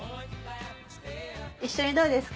一緒にどうですか？